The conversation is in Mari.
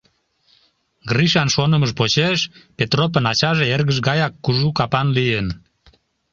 Гришан шонымыж почеш, Петропын ачаже эргыж гаяк кужу капан лийын.